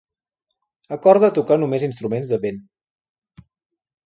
Acorda tocar només instruments de vent.